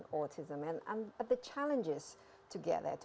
tapi kita akan kembali dan meneliti